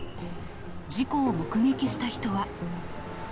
事故を目撃した人は。